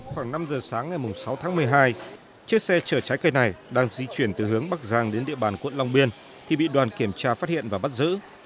khoảng năm giờ sáng ngày sáu tháng một mươi hai chiếc xe chở trái cây này đang di chuyển từ hướng bắc giang đến địa bàn quận long biên thì bị đoàn kiểm tra phát hiện và bắt giữ